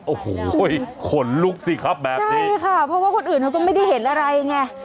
โอ้โหขนลุกสิครับแบบนี้ใช่ค่ะเพราะว่าคนอื่นเขาก็ไม่ได้เห็นอะไรไง